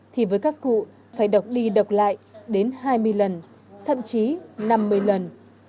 thì với các cụ phải đọc đi đọc lại đến hai mươi lần thậm chí năm mươi lần